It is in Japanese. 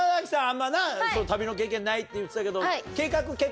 あんま旅の経験ないって言ってたけど。